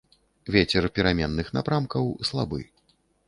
Вецер пераменных напрамкаў, слабы.